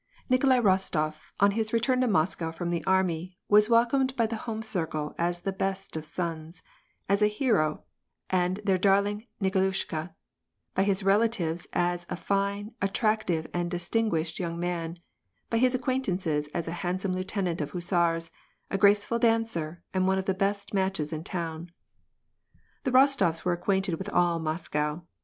Nikolai Rostop, on his return to Moscow from the army, was welcomed by the home circle as the best of sons, as a hero, and their darling Nikolushka ; by his relatives, as a fine, attract ive, and distinguished young man ; by his acquaintances, as a handsome lieutenant of hussars, a graceful dancer, and one of the best matches in town. The Rostofs were acquainted with all Moscow.